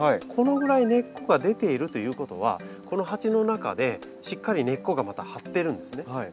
このぐらい根っこが出ているということはこの鉢の中でしっかり根っこがまた張ってるんですね。